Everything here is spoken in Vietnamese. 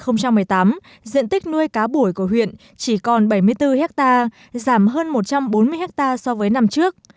năm hai nghìn một mươi tám diện tích nuôi cá bủi của huyện chỉ còn bảy mươi bốn hectare giảm hơn một trăm bốn mươi ha so với năm trước